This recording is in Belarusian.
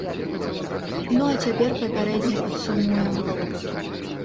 Ну а цяпер папярэдне падсумуем.